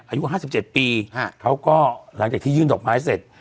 อายุ๕๗ปีเขาก็หลังจากที่ยื่นดอกไม้เสร็จ